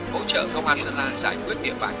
hỗ trợ công an sơn la giải quyết địa vãn